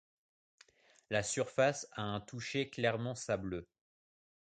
La surface a un toucher clairement sableux.